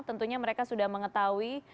tentunya mereka sudah mengetahui